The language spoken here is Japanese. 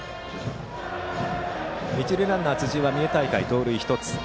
一塁ランナー、辻は三重大会、盗塁１つ。